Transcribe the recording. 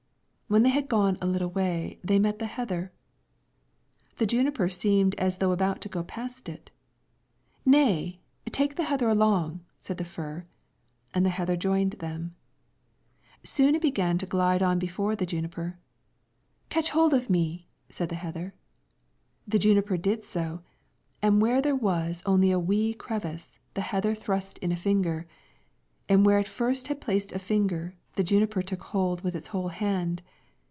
When they had gone a little way, they met the heather. The juniper seemed as though about to go past it. "Nay, take the heather along," said the fir. And the heather joined them. Soon it began to glide on before the juniper. "Catch hold of me," said the heather. The juniper did so, and where there was only a wee crevice, the heather thrust in a finger, and where it first had placed a finger, the juniper took hold with its whole hand.